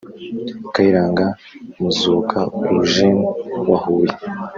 Kayiranga Muzuka Eugène wa Huye